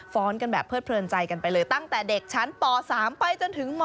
กันแบบเพิดเพลินใจกันไปเลยตั้งแต่เด็กชั้นป๓ไปจนถึงม๔